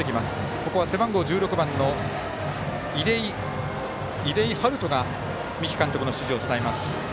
ここは背番号１６番の出井悠翔が三木監督の指示を伝えます。